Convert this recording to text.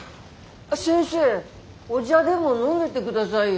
先生お茶でも飲んでってくださいよ。